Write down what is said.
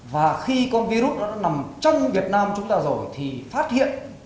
và khi con virus nó đã nằm trong việt nam chúng ta rồi thì phát hiện